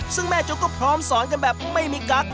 ซึ่งแม่จุ๊กก็พร้อมสอนกันแบบไม่มีกั๊ก